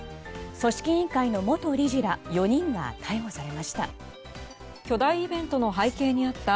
組織委員会の元理事ら４人が逮捕されました。